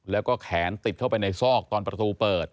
แล้วก็แขนติดเข้าไปในซอกตอนประตูเปิด